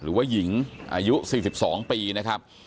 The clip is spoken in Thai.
หรือว่าหญิงอายุ๔๒ปีนะครับ